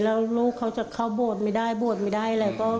แล้วลูกเขาจะเข้าบวชไม่ได้บวชไม่ได้อะไร